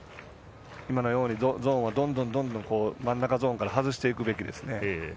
ゾーンをどんどん真ん中ゾーンから外していくべきですね。